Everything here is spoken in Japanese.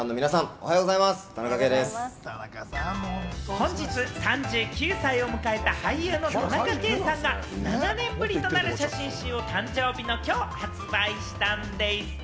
本日３９歳を迎えた俳優の田中圭さんが７年ぶりとなる写真集を誕生日のきょう発売したんでぃす。